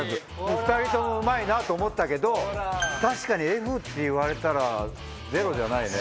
２人ともうまいなと思ったけど確かにＦって言われたらゼロじゃないね。